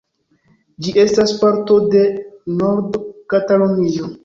Ĝi estas parto de Nord-Katalunio.